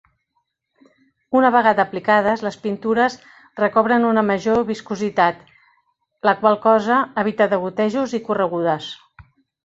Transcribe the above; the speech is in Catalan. Una vegada aplicades, les pintures recobren una major viscositat, la qual cosa evita degotejos i corregudes.